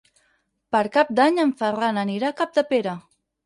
Per Cap d'Any en Ferran anirà a Capdepera.